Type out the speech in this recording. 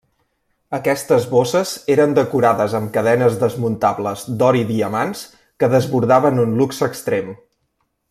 Aquestes bosses eren decorades amb cadenes desmuntables d’or i diamants que desbordaven un luxe extrem.